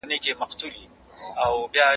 د فبرورۍ څلور ویشتمه یوه مهمه ادبي نېټه ده.